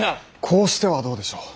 こうしてはどうでしょう。